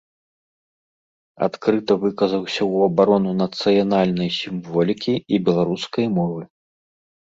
Адкрыта выказаўся ў абарону нацыянальнай сімволікі і беларускай мовы.